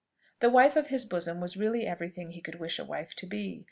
The wife of his bosom was really every thing he could wish a wife to be.